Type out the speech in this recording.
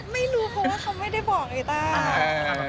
ไม่รู้เพราะว่าเขาไม่ได้บอกไงต้า